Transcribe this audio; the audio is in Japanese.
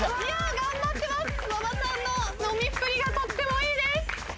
馬場さんの飲みっぷりがとってもいいです。